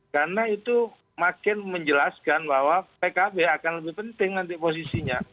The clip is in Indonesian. karena itu makin menjelaskan bahwa tkb akan lebih penting nanti posisinya